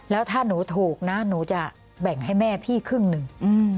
แล้วถ้าหนูถูกนะหนูจะแบ่งให้แม่พี่ครึ่งหนึ่ง